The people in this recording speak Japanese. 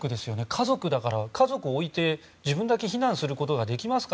家族だから、家族を置いて自分だけ避難することができますか？